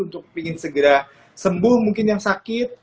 untuk ingin segera sembuh mungkin yang sakit